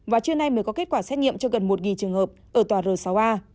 và trưa nay mới có kết quả xét nghiệm cho gần một trường hợp ở tòa r sáu a